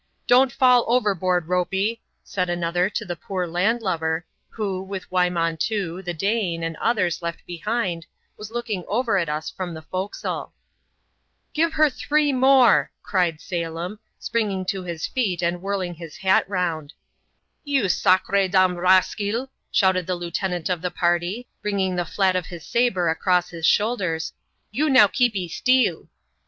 " Don't fall overboard. Ropey," said another to the poor land lubber, who, with Wymontoo, the Dane, and others left behind, was looking over at us from the forecastle. '^ Give her three more I" cried ^«lem^ ergtm^vn^ to his feet CHAP.xxvn.] A GLANCE AT PAPEETEE. 107 aad whirling his hat round. '^ You sacre dam raskeel," shouted the lieutenant of the partj, bringing the flat of his sabre across his shoulders, " you now keepy steel."